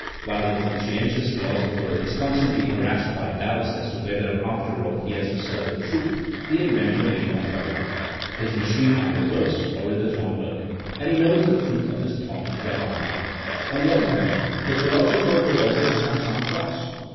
While the conscientious philosopher is constantly harassed by doubts as to whether, after all, he has discovered truth; the inventor need not worry. His machine either works or it does not work, and he knows the truth of his thought thereby. On the other hand the philosopher will always have some thoughts.